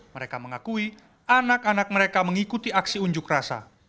mereka mengakui anak anak mereka mengikuti aksi unjuk rasa